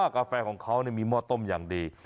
กาแฟของเขามีหม้อต้มอย่างดี